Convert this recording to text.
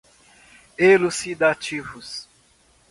elucidativos